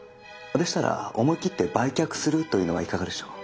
でしたら思い切って売却するというのはいかがでしょう？